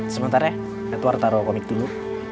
sementar ya edward taruh komik dulu